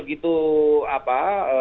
jadi begitu apa